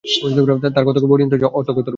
তার কতক বর্ণিত হয়েছে অর্থগতরূপে।